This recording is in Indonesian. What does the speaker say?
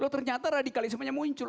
ternyata radikalismenya muncul